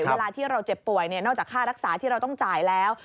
เวลาที่เราเจ็บป่วยนอกจากค่ารักษาที่เราต้องจ่ายแล้ว